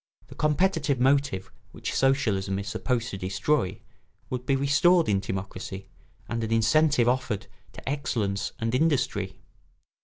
The competitive motive which socialism is supposed to destroy would be restored in timocracy, and an incentive offered to excellence and industry.